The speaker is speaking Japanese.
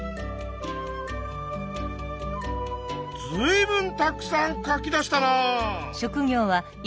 ずいぶんたくさん書き出したなあ！